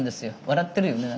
笑ってるよね。